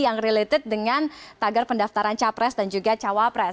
yang related dengan tagar pendaftaran capres dan juga cawapres